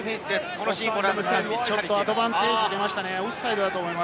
サモアにアドバンテージが出ましたね。